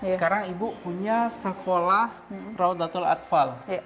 sekarang ibu punya sekolah rawat datul adfal